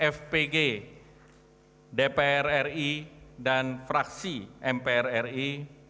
fpg dpr ri dan fraksi mpr ri